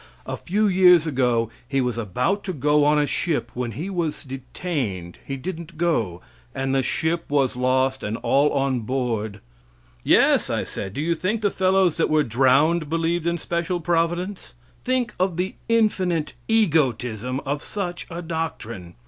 A few years ago he was about to go on a ship when he was detained; he didn't go, and the ship was lost and all on board. Yes! I said, "Do you think the fellows that were drowned believed in special providence?" Think of the infinite egotism of such a doctrine.